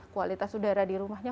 kualitas udara di rumahnya